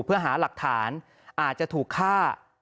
เพื่อหาหลักฐานอาจจะถูกฆ่า